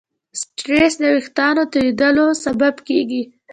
سټرېس د وېښتیانو تویېدلو سبب کېږي.